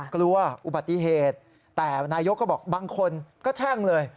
กลัวอุบัติเหตุแต่นายกก็บอกบางคนก็แช่งเลย